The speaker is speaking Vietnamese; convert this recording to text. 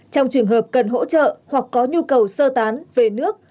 trong trường hợp cần hỗ trợ hoặc có nhu cầu sơ tán về nước